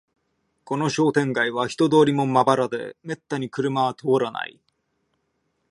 この商店街は人通りもまばらで、めったに車は通らない